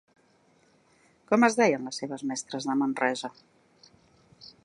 Com es deien les seves mestres de Manresa?